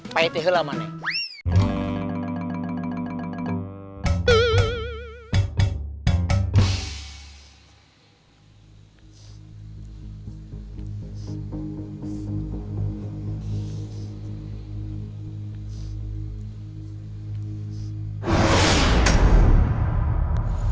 pak yodet keamanan di belakang